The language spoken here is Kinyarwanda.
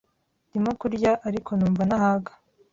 Ndimo kurya ariko numva ntahaga.